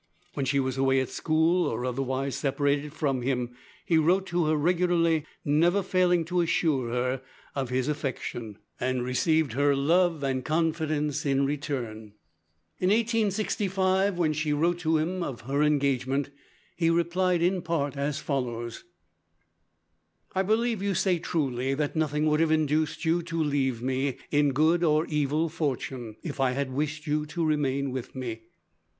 When she was away at school or otherwise separated from him, he wrote to her regularly, never failing to assure her of his affection, and received her love and confidence in return. In 1865, when she wrote to him of her engagement, he replied, in part, as follows: "I believe you say truly that nothing would have induced you to leave me, in good or evil fortune, if I had wished you to remain with me.